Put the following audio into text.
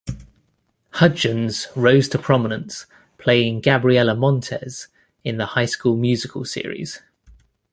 Hudgens rose to prominence playing Gabriella Montez in the "High School Musical" series.